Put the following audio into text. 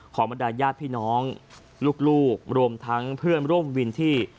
ขอบรรยายาทพี่น้องลูกลูกรวมทั้งเพื่อนร่วมวิวินที่